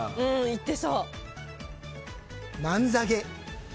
行ってそう。